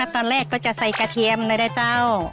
ตอนแรกก็จะใส่กระเทียมเลยนะเจ้า